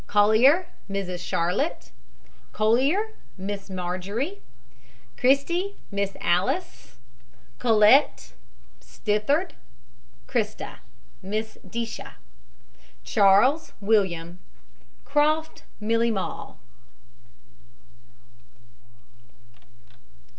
COLLYER, MRS. CHARLOTTE. COLLYER, MISS MARJORIE CHRISTY, MRS. ALICE. COLLET, STITART. CHRISTA, MISS DIJCIA. CHARLES, WILLIAM. CROFT, MILLIE MALL.